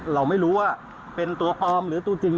เราไม่รู้ว่าเป็นตัวปลอมหรือตัวจริง